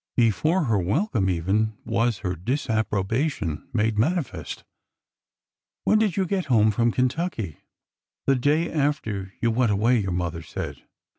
Before her welcome, even, was her disapprobation made manifest. ''When did you get home from Kentucky?" " The day after you went away, your mother said."